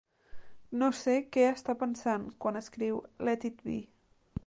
No sé què està pensant quan escriu "Let It Be".